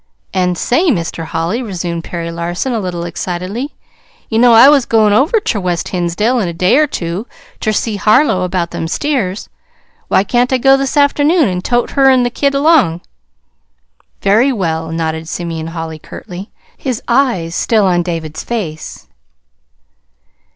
"An', say, Mr. Holly," resumed Perry Larson, a little excitedly, "you know I was goin' over ter West Hinsdale in a day or two ter see Harlow about them steers. Why can't I go this afternoon an' tote her an' the kid along?" "Very well," nodded Simeon Holly curtly, his eyes still on David's face.